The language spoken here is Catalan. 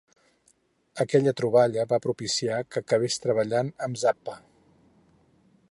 Aquella trobada va propiciar que acabés treballant amb Zappa.